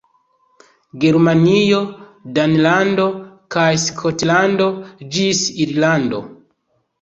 Germanio, Danlando kaj Skotlando, ĝis Irlando.